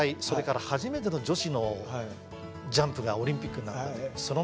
それから初めての女子のジャンプがオリンピックになったという。